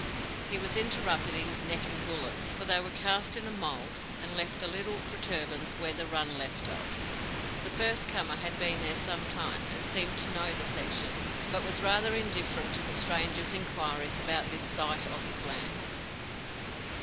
He was interrupted in 'necking' bullets, for they were cast in a mold and left a little protuberance where the run left off. "This first comer had been there some time and seemed to know the section, but was rather indifferent to the stranger's inquiries about the site of his lands.